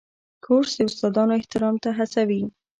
کورس د استادانو احترام ته هڅوي.